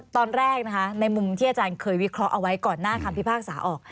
ตอนแรกนะคะในมุมที่อาจารย์เคยวิเคราะห์เอาไว้ก่อนหน้าคำพิพากษาออก